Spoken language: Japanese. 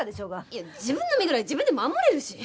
いや自分の身ぐらい自分で守れるし。